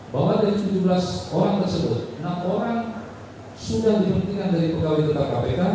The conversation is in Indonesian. bahwa dari tujuh belas orang tersebut enam orang sudah diberhentikan dari pegawai tetap kpk